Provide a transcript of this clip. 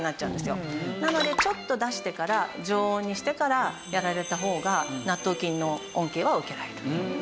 なのでちょっと出してから常温にしてからやられた方が納豆菌の恩恵は受けられる。